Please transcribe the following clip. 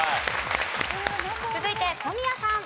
続いて小宮さん。